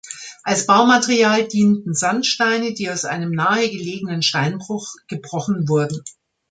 Als Baumaterial dienten Sandsteine, die aus einem nahegelegenen Steinbruch gebrochen wurden.